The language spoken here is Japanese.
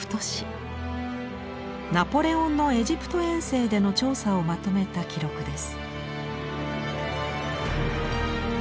ナポレオンのエジプト遠征での調査をまとめた記録です。